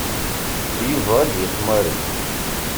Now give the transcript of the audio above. Yuba ad d-yaf Mary.